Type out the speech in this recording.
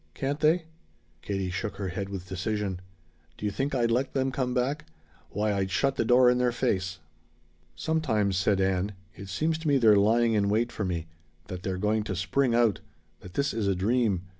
Can't they?" Katie shook her head with decision. "Do you think I'd let them come back? Why I'd shut the door in their face!" "Sometimes," said Ann, "it seems to me they're lying in wait for me. That they're going to spring out. That this is a dream.